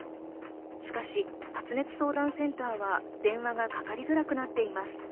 しかし、発熱相談センターは電話がかかりづらくなっています。